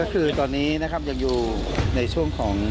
ก็คือตอนนี้นะครับยังอยู่ในช่วงของ